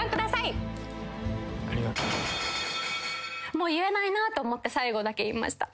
もう言えないなと思って最後だけ言いました。